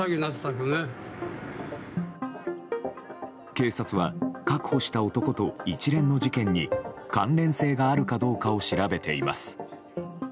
警察は確保した男と一連の事件に関連性があるかどうかを調べています。